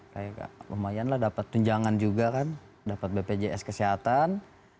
kayak lumayan lah dapat tunjangan juga kan dapat bpjs kesehatan